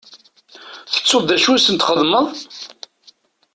Tettuḍ d acu i sent-txedmeḍ?